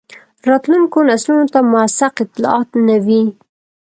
راتلونکو نسلونو ته موثق اطلاعات نه وي.